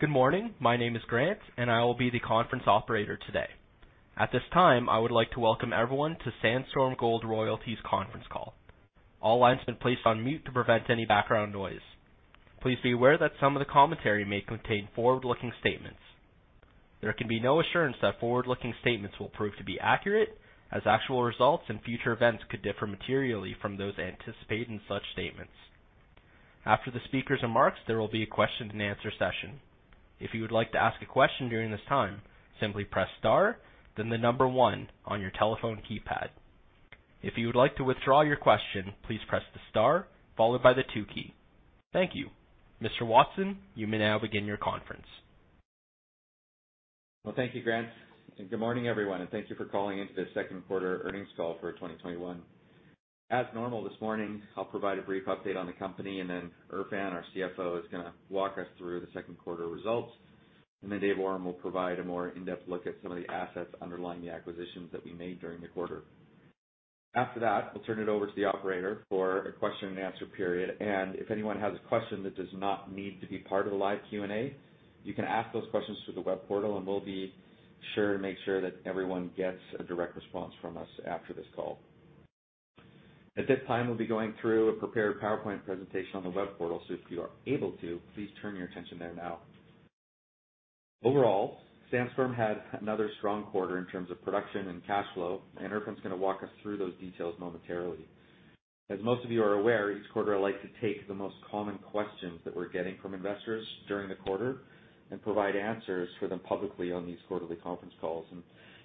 Good morning. My name is Grant, and I will be the conference operator today. At this time, I would like to welcome everyone to Sandstorm Gold Royalties conference call. All lines have been placed on mute to prevent any background noise. Please be aware that some of the commentary may contain forward-looking statements. There can be no assurance that forward-looking statements will prove to be accurate, as actual results and future events could differ materially from those anticipated in such statements. After the speakers' remarks, there will be a question and answer session. If you would like to ask a question during this time, simply press star, then the number 1 on your telephone keypad. If you would like to withdraw your question, please press the star followed by the 2 key. Thank you. Mr. Watson, you may now begin your conference. Well, thank you, Grant. Good morning, everyone. Thank you for calling in to this second quarter earnings call for 2021. As normal this morning, I'll provide a brief update on the company. Erfan, our CFO, is going to walk us through the second quarter results. David Awram will provide a more in-depth look at some of the assets underlying the acquisitions that we made during the quarter. After that, we'll turn it over to the operator for a question and answer period. If anyone has a question that does not need to be part of the live Q&A, you can ask those questions through the web portal. We'll be sure to make sure that everyone gets a direct response from us after this call. At this time, we'll be going through a prepared PowerPoint presentation on the web portal. If you are able to, please turn your attention there now. Overall, Sandstorm had another strong quarter in terms of production and cash flow, and Erfan's going to walk us through those details momentarily. As most of you are aware, each quarter I like to take the most common questions that we're getting from investors during the quarter and provide answers for them publicly on these quarterly conference calls.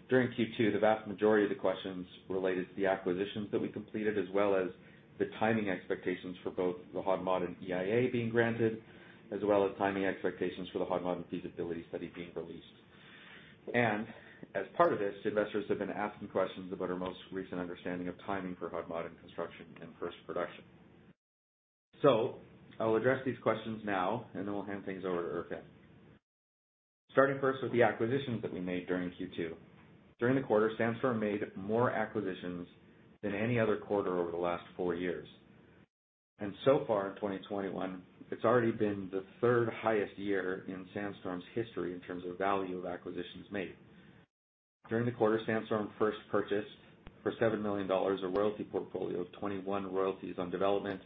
During Q2, the vast majority of the questions related to the acquisitions that we completed, as well as the timing expectations for both the Hod Maden and EIA being granted, as well as timing expectations for the Hod Maden and feasibility study being released. As part of this, investors have been asking questions about our most recent understanding of timing for Hod Maden and construction and first production. I will address these questions now and then we'll hand things over to Erfan. Starting first with the acquisitions that we made during Q2. During the quarter, Sandstorm made more acquisitions than any other quarter over the last four years. So far in 2021, it's already been the third highest year in Sandstorm's history in terms of value of acquisitions made. During the quarter, Sandstorm first purchased for $7 million a royalty portfolio of 21 royalties on development,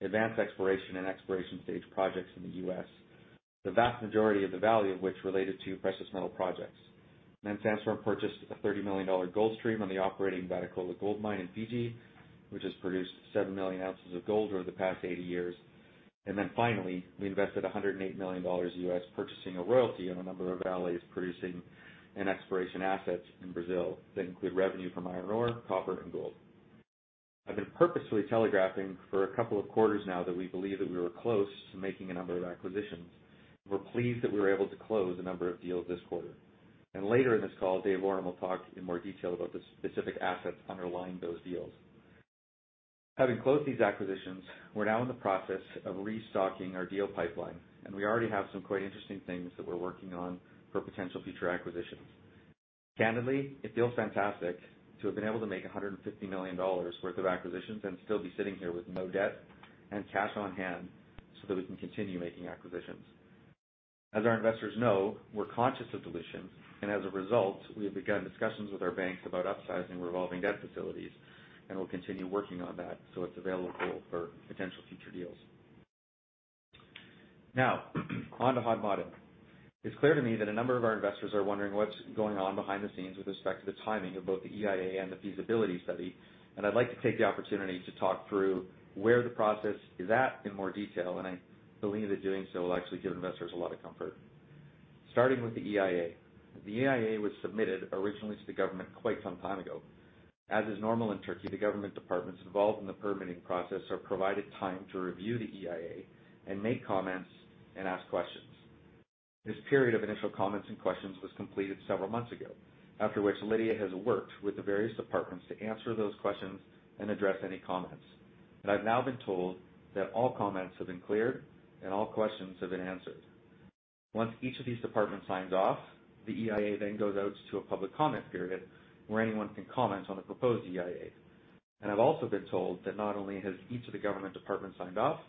advanced exploration, and exploration stage projects in the U.S. The vast majority of the value of which related to precious metal projects. Then Sandstorm purchased a $30 million gold stream on the operating Vatukoula gold mine in Fiji, which has produced seven million ounces of gold over the past 80 years. Finally, we invested $108 million purchasing a royalty on a number of Vale's producing and exploration assets in Brazil that include revenue from iron ore, copper, and gold. I've been purposely telegraphing for a couple of quarters now that we believe that we were close to making a number of acquisitions. We're pleased that we were able to close a number of deals this quarter. Later in this call, David Awram will talk in more detail about the specific assets underlying those deals. Having closed these acquisitions, we're now in the process of restocking our deal pipeline, and we already have some quite interesting things that we're working on for potential future acquisitions. Candidly, it feels fantastic to have been able to make $150 million worth of acquisitions and still be sitting here with no debt and cash on hand so that we can continue making acquisitions. As our investors know, we're conscious of dilution, and as a result, we have begun discussions with our banks about upsizing revolving debt facilities, and we'll continue working on that so it's available for potential future deals. Now, onto Hod Maden. It's clear to me that a number of our investors are wondering what's going on behind the scenes with respect to the timing of both the EIA and the feasibility study, and I'd like to take the opportunity to talk through where the process is at in more detail, and I believe that doing so will actually give investors a lot of comfort. Starting with the EIA. The EIA was submitted originally to the government quite some time ago. As is normal in Turkey, the government departments involved in the permitting process are provided time to review the EIA and make comments and ask questions. This period of initial comments and questions was completed several months ago, after which Lidya has worked with the various departments to answer those questions and address any comments. I've now been told that all comments have been cleared and all questions have been answered. Once each of these departments signs off, the EIA then goes out to a public comment period where anyone can comment on the proposed EIA. I've also been told that not only has each of the government departments signed off,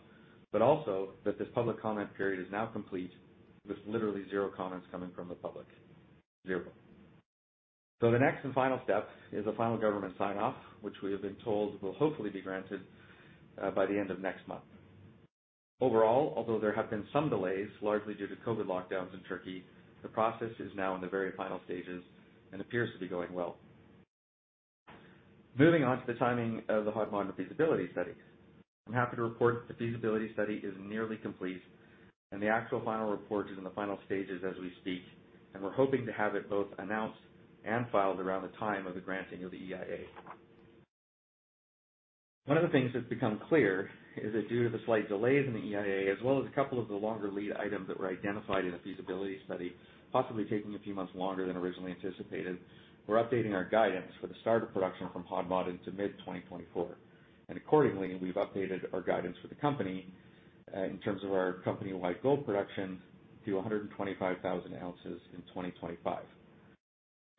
but also that this public comment period is now complete with literally zero comments coming from the public. Zero. The next and final step is a final government sign-off, which we have been told will hopefully be granted by the end of next month. Overall, although there have been some delays, largely due to COVID lockdowns in Türkiye, the process is now in the very final stages and appears to be going well. Moving on to the timing of the Hod Maden feasibility studies. I'm happy to report that the feasibility study is nearly complete, and the actual final report is in the final stages as we speak, and we're hoping to have it both announced and filed around the time of the granting of the EIA. One of the things that's become clear is that due to the slight delays in the EIA, as well as a couple of the longer lead items that were identified in the feasibility study, possibly taking a few months longer than originally anticipated, we're updating our guidance for the start of production from Hod Maden into mid 2024. Accordingly, we've updated our guidance for the company in terms of our company-wide gold production to 125,000 ounces in 2025.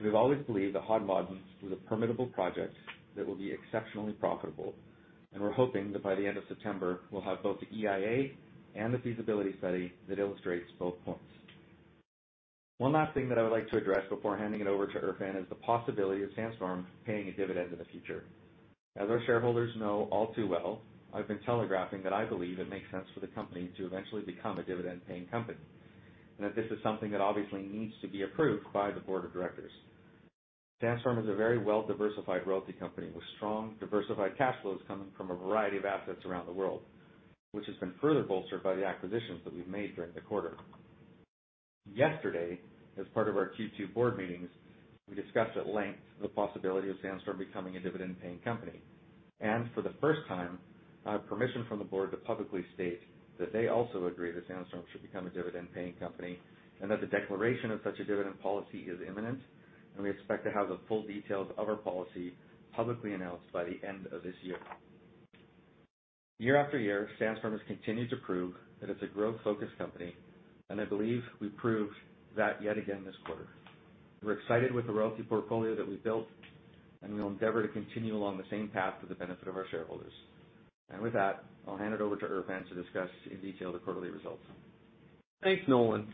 We've always believed that Hod Maden was a permittable project that will be exceptionally profitable, and we're hoping that by the end of September, we'll have both the EIA and the feasibility study that illustrates both points. One last thing that I would like to address before handing it over to Erfan is the possibility of Sandstorm paying a dividend in the future. As our shareholders know all too well, I've been telegraphing that I believe it makes sense for the company to eventually become a dividend-paying company, and that this is something that obviously needs to be approved by the board of directors. Sandstorm is a very well-diversified royalty company with strong, diversified cash flows coming from a variety of assets around the world, which has been further bolstered by the acquisitions that we've made during the quarter. Yesterday, as part of our Q2 board meetings, we discussed at length the possibility of Sandstorm becoming a dividend-paying company. For the first time, I have permission from the board to publicly state that they also agree that Sandstorm should become a dividend-paying company, and that the declaration of such a dividend policy is imminent, and we expect to have the full details of our policy publicly announced by the end of this year. Year after year, Sandstorm has continued to prove that it's a growth-focused company, and I believe we proved that yet again this quarter. We're excited with the royalty portfolio that we built, and we will endeavor to continue along the same path for the benefit of our shareholders. With that, I'll hand it over to Erfan to discuss in detail the quarterly results. Thanks, Nolan.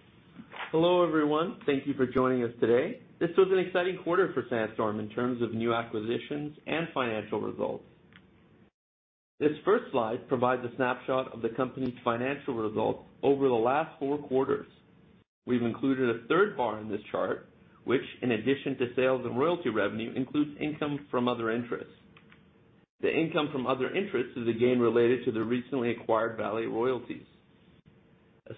Hello, everyone. Thank you for joining us today. This was an exciting quarter for Sandstorm in terms of new acquisitions and financial results. This first slide provides a snapshot of the company's financial results over the last four quarters. We've included a third bar in this chart, which, in addition to sales and royalty revenue, includes income from other interests. The income from other interests is again related to the recently acquired Vale royalties.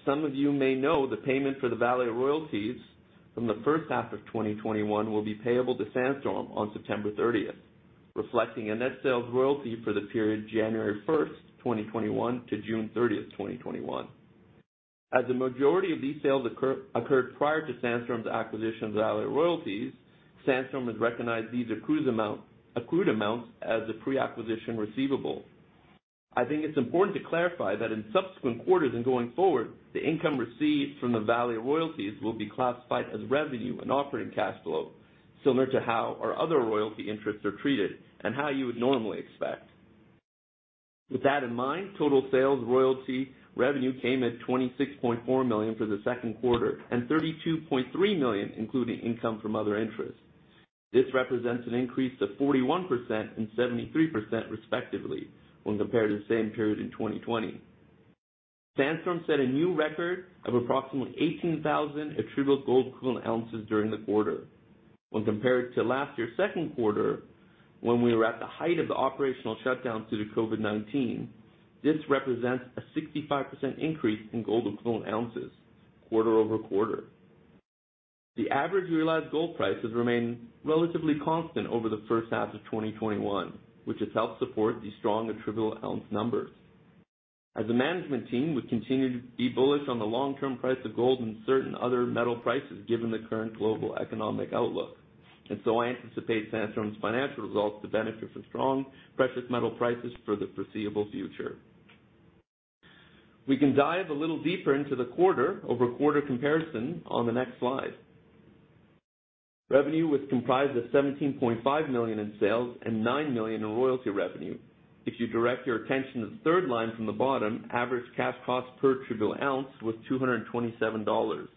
Some of you may know, the payment for the Vale royalties from the first half of 2021 will be payable to Sandstorm on September 30th, reflecting a net sales royalty for the period January 1st, 2021 to June 30th, 2021. The majority of these sales occurred prior to Sandstorm's acquisition of the Vale royalties, Sandstorm has recognized these accrued amounts as a pre-acquisition receivable. I think it's important to clarify that in subsequent quarters and going forward, the income received from the Vale royalties will be classified as revenue and operating cash flow, similar to how our other royalty interests are treated and how you would normally expect. With that in mind, total sales royalty revenue came at $26.4 million for the second quarter and $32.3 million including income from other interests. This represents an increase of 41% and 73% respectively when compared to the same period in 2020. Sandstorm set a new record of approximately 18,000 attributable gold equivalent ounces during the quarter. When compared to last year's second quarter, when we were at the height of the operational shutdown due to COVID-19, this represents a 65% increase in gold equivalent ounces quarter-over-quarter. The average realized gold price has remained relatively constant over the first half of 2021, which has helped support these strong attributable ounce numbers. As a management team, we continue to be bullish on the long-term price of gold and certain other metal prices given the current global economic outlook, and so I anticipate Sandstorm's financial results to benefit from strong precious metal prices for the foreseeable future. We can dive a little deeper into the quarter-over-quarter comparison on the next slide. Revenue was comprised of $17.5 million in sales and $9 million in royalty revenue. If you direct your attention to the third line from the bottom, average cash cost per attributable ounce was $227.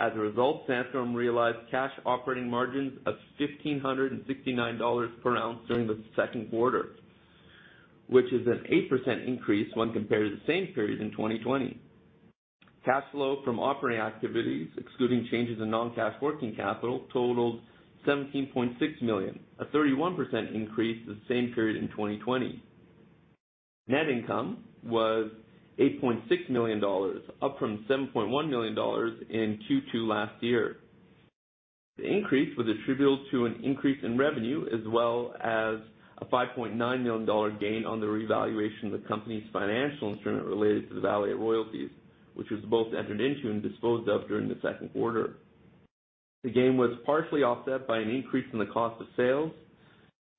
As a result, Sandstorm realized cash operating margins of $1,569 per ounce during the second quarter, which is an 8% increase when compared to the same period in 2020. Cash flow from operating activities, excluding changes in non-cash working capital, totaled $17.6 million, a 31% increase the same period in 2020. Net income was $8.6 million, up from $7.1 million in Q2 last year. The increase was attributable to an increase in revenue as well as a $5.9 million gain on the revaluation of the company's financial instrument related to the Vale royalties, which was both entered into and disposed of during the second quarter. The gain was partially offset by an increase in the cost of sales,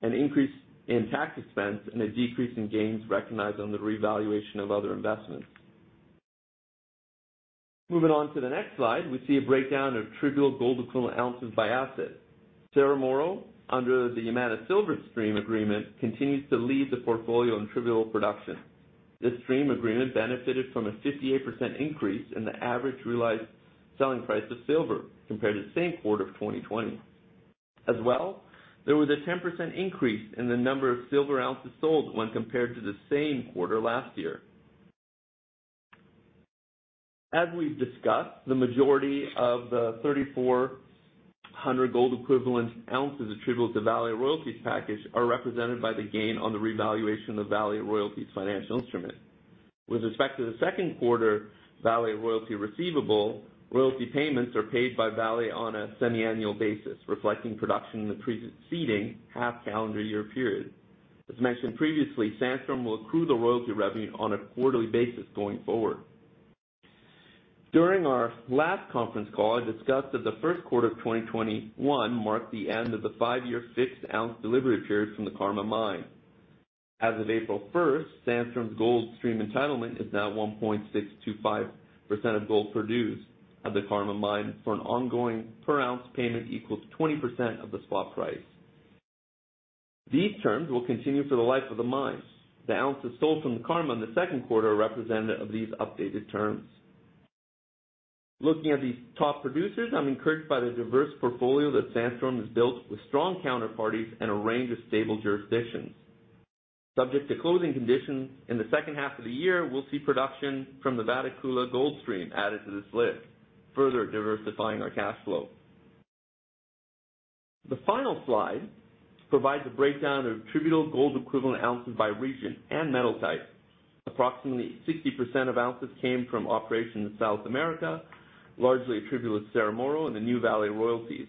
an increase in tax expense, and a decrease in gains recognized on the revaluation of other investments. Moving on to the next slide, we see a breakdown of attributable gold equivalent ounces by asset. Cerro Moro, under the Yamana silver stream agreement, continues to lead the portfolio in attributable production. This stream agreement benefited from a 58% increase in the average realized selling price of silver compared to the same quarter of 2020. As well, there was a 10% increase in the number of silver ounces sold when compared to the same quarter last year. As we've discussed, the majority of the 3,400 gold equivalent ounces attributable to Vale royalties package are represented by the gain on the revaluation of Vale royalties financial instrument. With respect to the second quarter Vale royalty receivable, royalty payments are paid by Vale on a semiannual basis, reflecting production in the preceding half-calendar year period. As mentioned previously, Sandstorm will accrue the royalty revenue on a quarterly basis going forward. During our last conference call, I discussed that the 1st quarter of 2021 marked the end of the 5-year fixed ounce delivery period from the Karma Mine. As of April 1st, Sandstorm's gold stream entitlement is now 1.625% of gold produced at the Karma Mine for an ongoing per ounce payment equal to 20% of the spot price. These terms will continue for the life of the mines. The ounces sold from the Karma in the 2nd quarter are representative of these updated terms. Looking at these top producers, I'm encouraged by the diverse portfolio that Sandstorm has built with strong counterparties and a range of stable jurisdictions. Subject to closing conditions in the 2nd half of the year, we'll see production from the Vatukoula gold stream added to this list, further diversifying our cash flow. The final slide provides a breakdown of attributable gold equivalent ounces by region and metal type. Approximately 60% of ounces came from operations in South America, largely attributable to Cerro Moro and the new Vale royalties.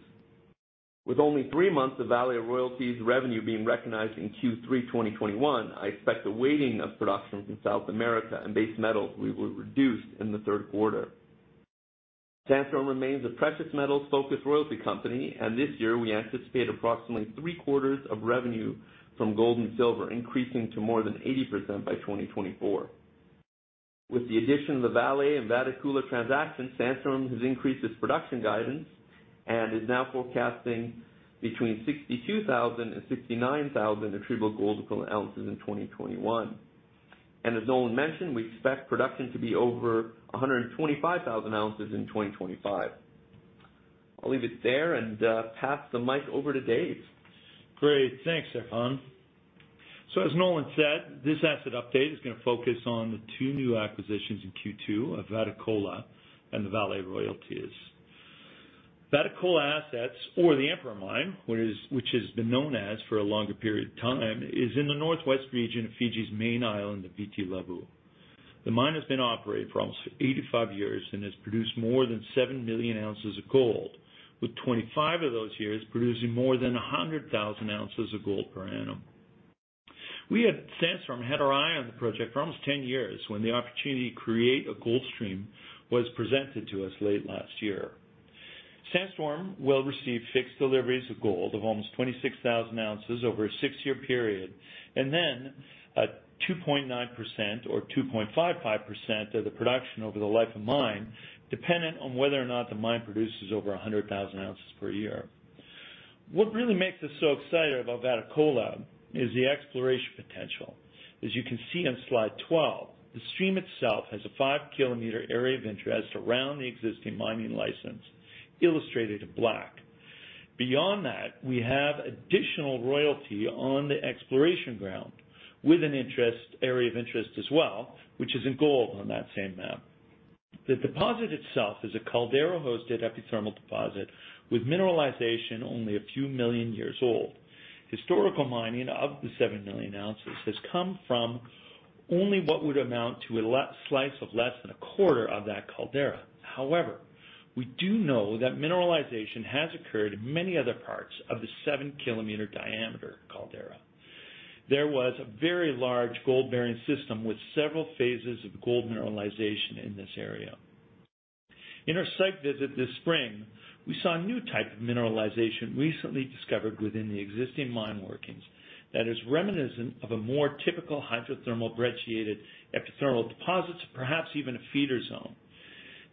With only three months of Vale royalties revenue being recognized in Q3 2021, I expect the weighting of production from South America and base metals will be reduced in the third quarter. Sandstorm remains a precious metals-focused royalty company, and this year we anticipate approximately three-quarters of revenue from gold and silver increasing to more than 80% by 2024. With the addition of the Vale and Vatukoula transaction, Sandstorm has increased its production guidance and is now forecasting between 62,000 and 69,000 attributable gold equivalent ounces in 2021. As Nolan mentioned, we expect production to be over 125,000 ounces in 2025. I'll leave it there and pass the mic over to Dave. Great. Thanks, Erfan. As Nolan said, this asset update is going to focus on the two new acquisitions in Q2 of Vatukoula and the Vale royalties. Vatukoula assets or the Emperor Mine, which it's been known as for a longer period of time, is in the northwest region of Fiji's main island of Viti Levu. The mine has been operating for almost 85 years and has produced more than seven million ounces of gold, with 25 of those years producing more than 100,000 ounces of gold per annum. Sandstorm had its eye on the project for almost 10 years when the opportunity to create a gold stream was presented to us late last year. Sandstorm will receive fixed deliveries of gold of almost 26,000 ounces over a 6-year period, and then a 2.9% or 2.55% of the production over the life of mine, dependent on whether or not the mine produces over 100,000 ounces per year. What really makes us so excited about Vatukoula is the exploration potential. As you can see on slide 12, the stream itself has a 5 km area of interest around the existing mining license, illustrated in black. Beyond that, we have additional royalty on the exploration ground with an area of interest as well, which is in gold on that same map. The deposit itself is a caldera-hosted epithermal deposit with mineralization only a few million years old. Historical mining of the seven million ounces has come from only what would amount to a slice of less than a quarter of that caldera. However, we do know that mineralization has occurred in many other parts of the 7 km diameter caldera. There was a very large gold-bearing system with several phases of gold mineralization in this area. In our site visit this spring, we saw a new type of mineralization recently discovered within the existing mine workings that is reminiscent of a more typical hydrothermal breccia epithermal deposits, perhaps even a feeder zone.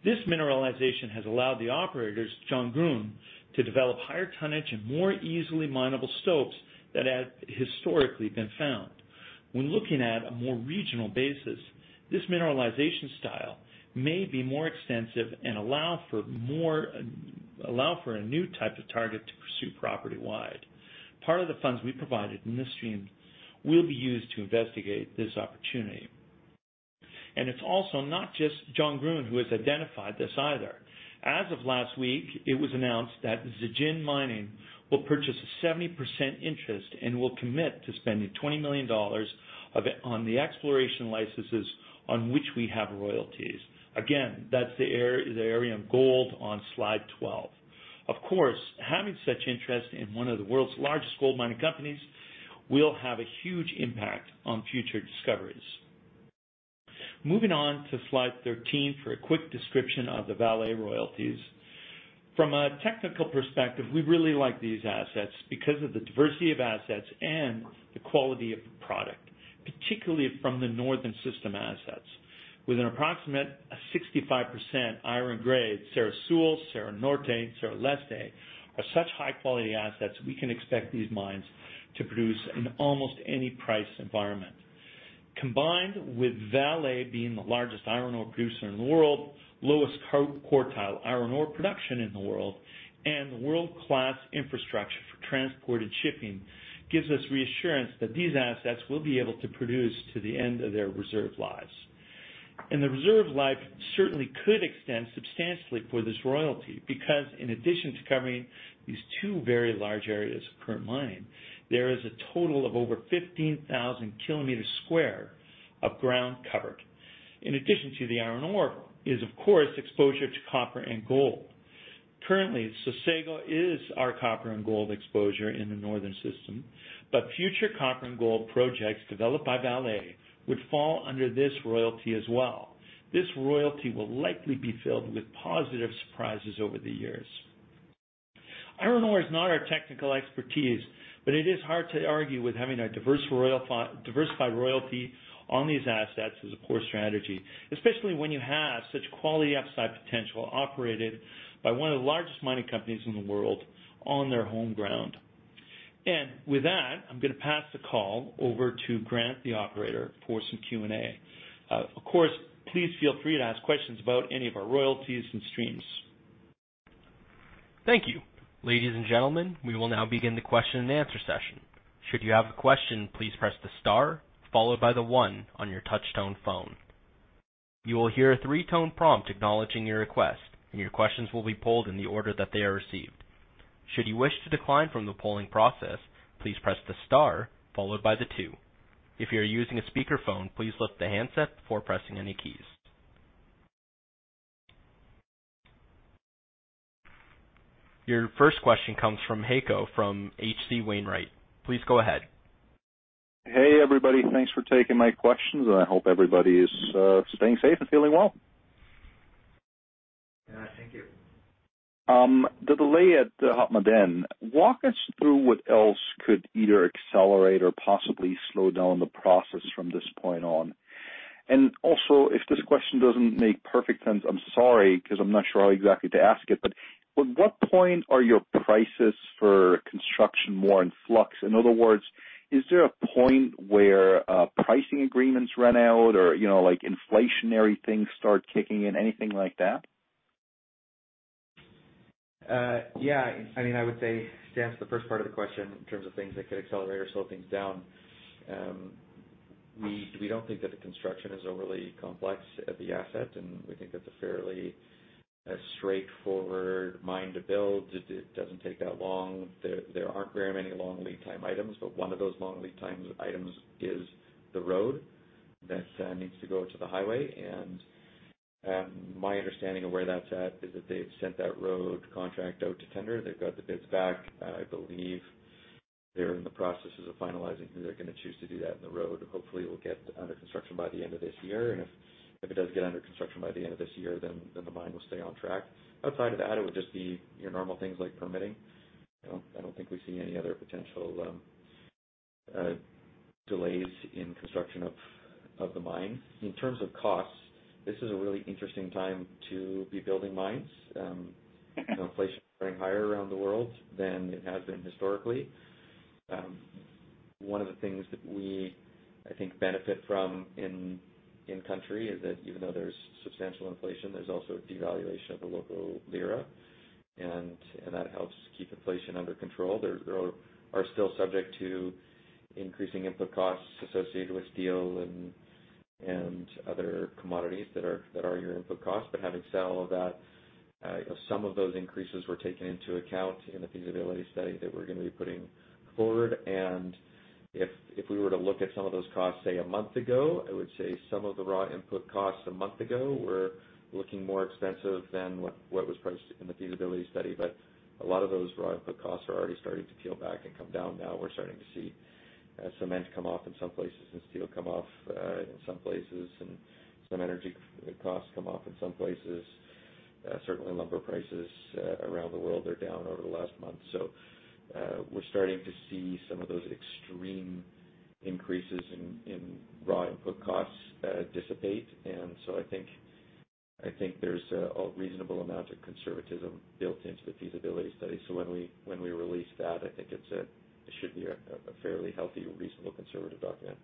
This mineralization has allowed the operators, Zhongrun, to develop higher tonnage and more easily mineable stopes that had historically been found. When looking at a more regional basis, this mineralization style may be more extensive and allow for a new type of target to pursue property-wide. Part of the funds we provided in this stream will be used to investigate this opportunity. It's also not just Zhongrun who has identified this either. As of last week, it was announced that Zijin Mining will purchase a 70% interest and will commit to spending $20 million on the exploration licenses on which we have royalties. Again, that's the area in gold on slide 12. Of course, having such interest in one of the world's largest gold mining companies will have a huge impact on future discoveries. Moving on to slide 13 for a quick description of the Vale royalties. From a technical perspective, we really like these assets because of the diversity of assets and the quality of the product, particularly from the northern system assets. With an approximate 65% iron grade, Serra Sul, Serra Norte, Serra Leste, are such high-quality assets, we can expect these mines to produce in almost any price environment. Combined with Vale being the largest iron ore producer in the world, lowest quartile iron ore production in the world, and the world-class infrastructure for transport and shipping, gives us reassurance that these assets will be able to produce to the end of their reserve lives. The reserve life certainly could extend substantially for this royalty because, in addition to covering these two very large areas of current mining, there is a total of over 15,000 kilometers square of ground covered. In addition to the iron ore is, of course, exposure to copper and gold. Currently, Sossego is our copper and gold exposure in the northern system, but future copper and gold projects developed by Vale would fall under this royalty as well. This royalty will likely be filled with positive surprises over the years. Iron ore is not our technical expertise, but it is hard to argue with having a diversified royalty on these assets as a core strategy, especially when you have such quality upside potential operated by one of the largest mining companies in the world on their home ground. With that, I am going to pass the call over to Grant, the operator, for some Q&A. Of course, please feel free to ask questions about any of our royalties and streams. Thank you. Ladies and gentlemen, we will now begin the question and answer session. Your first question comes from Heiko from H.C. Wainwright. Please go ahead. Hey, everybody. Thanks for taking my questions, and I hope everybody is staying safe and feeling well. Yeah. Thank you. The delay at Hod Maden, walk us through what else could either accelerate or possibly slow down the process from this point on. Also, if this question doesn't make perfect sense, I'm sorry, because I'm not sure how exactly to ask it, but what point are your prices for construction more in flux? In other words, is there a point where pricing agreements run out or inflationary things start kicking in? Anything like that? Yeah, I would say, to answer the first part of the question in terms of things that could accelerate or slow things down, we don't think that the construction is overly complex at the asset, and we think that's a fairly straightforward mine to build. It doesn't take that long. There aren't very many long lead time items, but one of those long lead times items is the road that needs to go to the highway. My understanding of where that's at is that they've sent that road contract out to tender. They've got the bids back. I believe they're in the processes of finalizing who they're going to choose to do that in the road. Hopefully, it will get under construction by the end of this year. If it does get under construction by the end of this year, then the mine will stay on track. Outside of that, it would just be your normal things like permitting. I don't think we see any other potential delays in construction of the mine. In terms of costs, this is a really interesting time to be building mines. Inflation is running higher around the world than it has been historically. One of the things that we, I think, benefit from in country is that even though there's substantial inflation, there's also a devaluation of the local lira, that helps keep inflation under control. There are still subject to increasing input costs associated with steel and other commodities that are your input costs. Having said all of that, some of those increases were taken into account in the feasibility study that we're going to be putting forward. If we were to look at some of those costs, say, a month ago, I would say some of the raw input costs a month ago were looking more expensive than what was priced in the feasibility study. A lot of those raw input costs are already starting to peel back and come down now. We're starting to see cement come off in some places and steel come off, in some places, and some energy costs come off in some places. Certainly lumber prices around the world are down over the last month. We're starting to see some of those extreme increases in raw input costs dissipate. I think there's a reasonable amount of conservatism built into the feasibility study. When we release that, I think it should be a fairly healthy, reasonable, conservative document.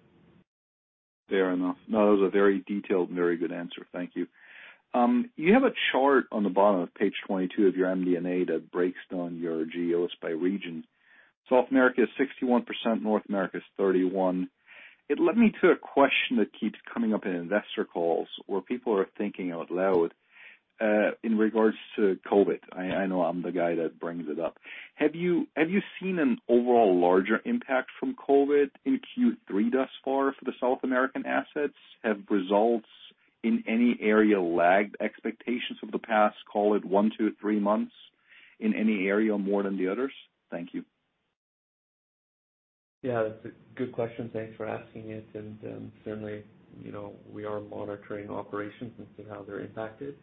Fair enough. No, that was a very detailed and very good answer. Thank you. You have a chart on the bottom of page 22 of your MD&A that breaks down your GEOs by region. South America is 61%, North America is 31%. It led me to a question that keeps coming up in investor calls where people are thinking out loud, in regards to COVID. I know I'm the guy that brings it up. Have you seen an overall larger impact from COVID in Q3 thus far for the South American assets? Have results in any area lagged expectations of the past, call it 1-3 months in any area more than the others? Thank you. Yeah, it's a good question. Thanks for asking it. Certainly, we are monitoring operations and see how they're impacted.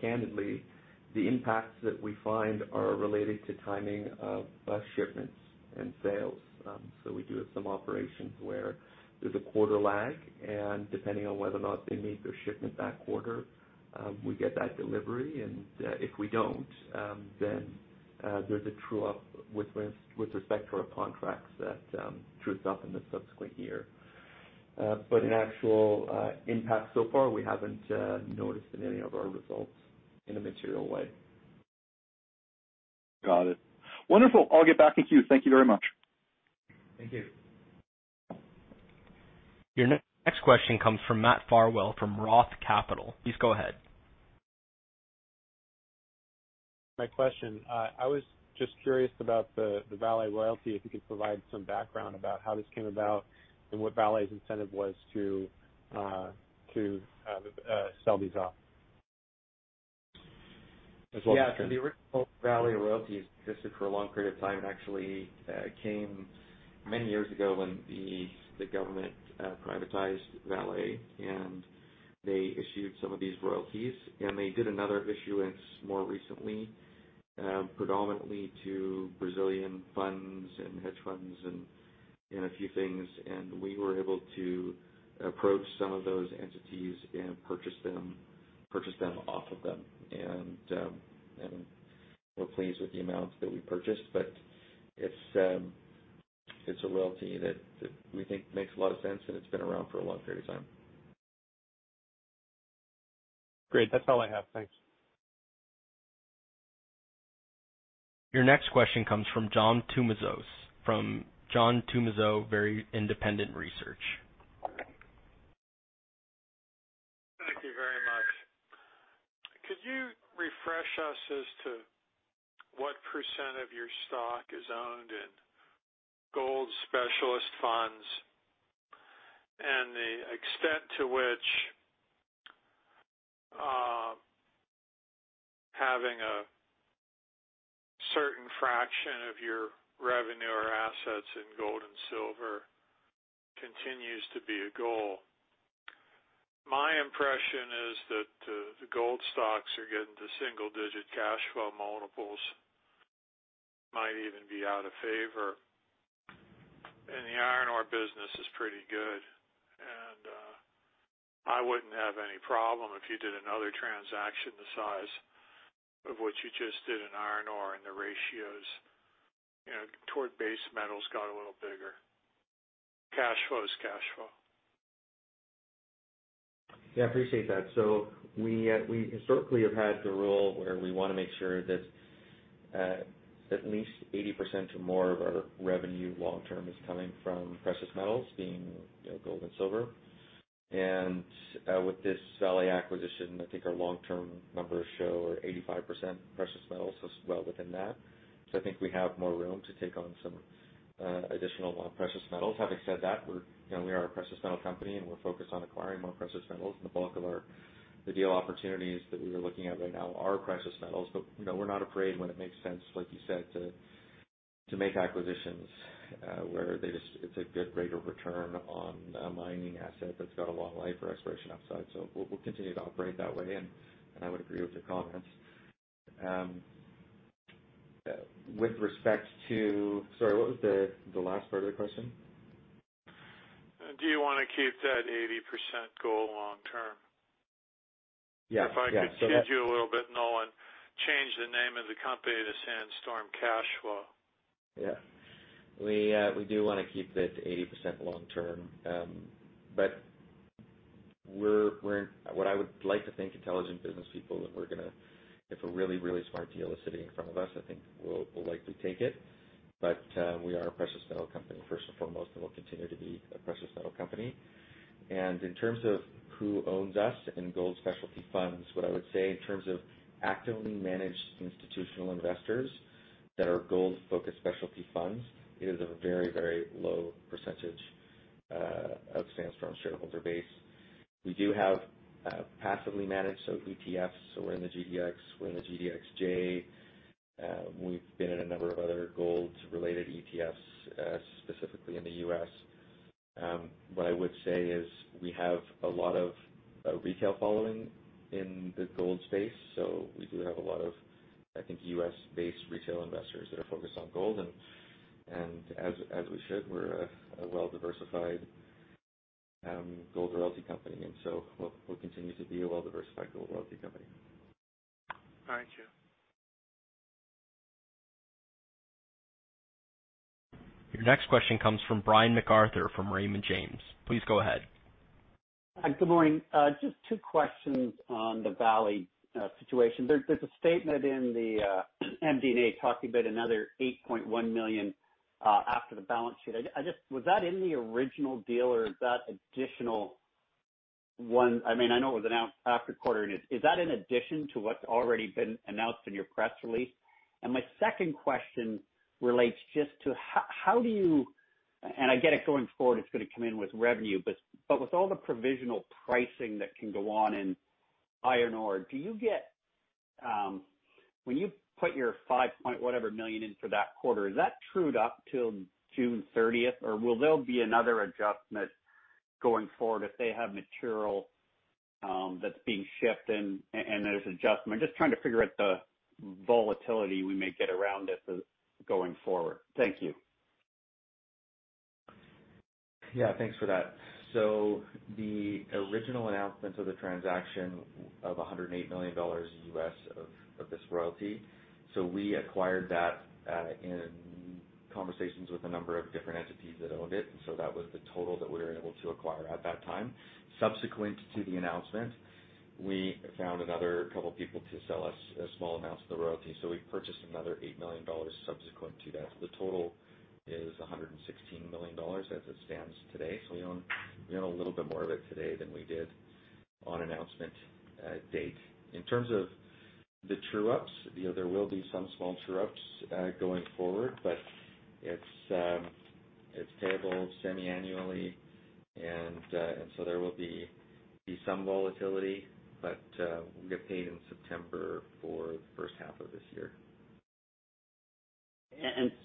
Candidly, the impacts that we find are related to timing of bulk shipments and sales. We do have some operations where there's a quarter lag, and depending on whether or not they made their shipment that quarter, we get that delivery. If we don't, then there's a true-up with respect to our contracts that trues up in the subsequent year. In actual impact so far, we haven't noticed in any of our results in a material way. Got it. Wonderful. I'll get back in queue. Thank you very much. Thank you. Your next question comes from Matt Farwell from Roth Capital. Please go ahead. My question, I was just curious about the Vale royalty. If you could provide some background about how this came about and what Vale's incentive was to sell these off. Yeah. The original Vale royalty existed for a long period of time. It actually came many years ago when the government privatized Vale and they issued some of these royalties, and they did another issuance more recently, predominantly to Brazilian funds and hedge funds and a few things. We were able to approach some of those entities and purchase them off of them. We're pleased with the amount that we purchased. It's a royalty that we think makes a lot of sense, and it's been around for a long period of time. Great. That's all I have. Thanks. Your next question comes from John Tumazos, from John Tumazos Very Independent Research. Thank you very much. Could you refresh us as to what percentage of your stock is owned in gold specialist funds, and the extent to which having a certain fraction of your revenue or assets in gold and silver continues to be a goal? My impression is that the gold stocks are getting to single-digit cash flow multiples, might even be out of favor. The iron ore business is pretty good. I wouldn't have any problem if you did another transaction the size of what you just did in iron ore and the ratios toward base metals got a little bigger. Cash flow is cash flow. Yeah, I appreciate that. We historically have had the rule where we want to make sure that at least 80% to more of our revenue long term is coming from precious metals, being gold and silver. With this Vale acquisition, I think our long-term numbers show 85% precious metals, so it's well within that. I think we have more room to take on some additional precious metals. Having said that, we are a precious metal company, and we're focused on acquiring more precious metals, and the bulk of the deal opportunities that we are looking at right now are precious metals. We're not afraid when it makes sense, like you said, to make acquisitions where it's a good rate of return on a mining asset that's got a long life or exploration upside. We'll continue to operate that way, and I would agree with your comments. Sorry, what was the last part of the question? Do you want to keep that 80% goal long term? Yeah. If I could kid you a little bit, Nolan, change the name of the company to Sandstorm Cash Flow. Yeah. We do want to keep it 80% long term. We're what I would like to think intelligent business people, and if a really smart deal is sitting in front of us, I think we'll likely take it. We are a precious metal company first and foremost, and we'll continue to be a precious metal company. In terms of who owns us in gold specialty funds, what I would say in terms of actively managed institutional investors that are gold-focused specialty funds, it is a very low percentage of Sandstorm's shareholder base. We do have passively managed, so ETFs, so we're in the GDX, we're in the GDXJ. We've been in a number of other gold-related ETFs, specifically in the U.S. What I would say is we have a lot of retail following in the gold space. We do have a lot of, I think, U.S.-based retail investors that are focused on gold. As we should, we're a well-diversified gold royalty company. We'll continue to be a well-diversified gold royalty company. All right, chief. Your next question comes from Brian MacArthur from Raymond James. Please go ahead. Good morning. Just two questions on the Vale situation. There's a statement in the MD&A talking about another $8.1 million after the balance sheet. Was that in the original deal, or is that additional one? I know it was announced after quarter end. Is that in addition to what's already been announced in your press release? My second question relates just to how do you, and I get it going forward, it's going to come in with revenue, but with all the provisional pricing that can go on in iron ore, when you put your $5 point whatever million in for that quarter, is that trued up till June 30th, or will there be another adjustment going forward if they have material that's being shipped and there's adjustment? Just trying to figure out the volatility we may get around it going forward. Thank you. Yeah. Thanks for that. The original announcement of the transaction of $108 million of this royalty, so we acquired that in conversations with a number of different entities that owned it, and so that was the total that we were able to acquire at that time. Subsequent to the announcement, we found another couple of people to sell us a small amount of the royalty, so we purchased another $8 million subsequent to that. The total is $116 million as it stands today. We own a little bit more of it today than we did on announcement date. In terms of the true-ups, there will be some small true-ups going forward, but it's payable semiannually, and so there will be some volatility, but we'll get paid in September for the first half of this year.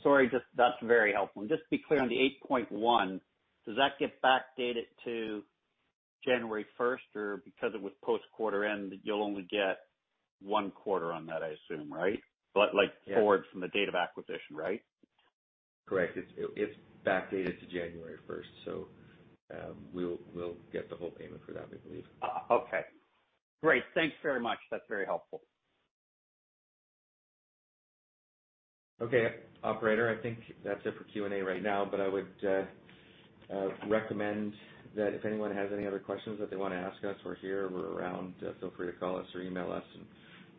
Sorry, that's very helpful. Just to be clear on the 8.1, does that get backdated to January 1st, or because it was post-quarter end, you'll only get one quarter on that, I assume, right? Yeah forward from the date of acquisition, right? Correct. It's backdated to January 1st. We'll get the whole payment for that, I believe. Okay. Great. Thanks very much. That's very helpful. Okay. Operator, I think that's it for Q&A right now. I would recommend that if anyone has any other questions that they want to ask us, we're here, we're around. Feel free to call us or email us.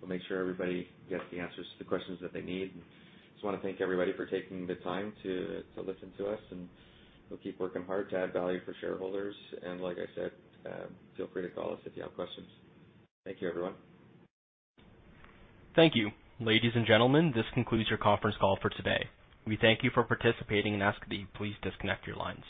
We'll make sure everybody gets the answers to the questions that they need. I just want to thank everybody for taking the time to listen to us. We'll keep working hard to add value for shareholders. Like I said, feel free to call us if you have questions. Thank you, everyone. Thank you. Ladies and gentlemen, this concludes your conference call for today. We thank you for participating and ask that you please disconnect your lines.